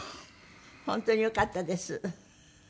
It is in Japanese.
本当によかったです。